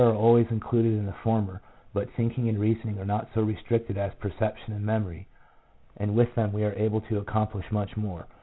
99 are always included in the former, but thinking and reasoning are not so restricted as perception and memory, and with them we are able to accomplish much more.